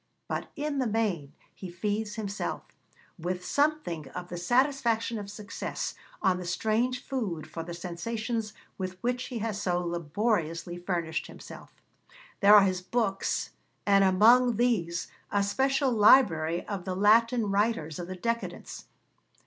But in the main he feeds himself, with something of the satisfaction of success, on the strange food for the sensations with which he has so laboriously furnished himself. There are his books, and among these a special library of the Latin writers of the Decadence.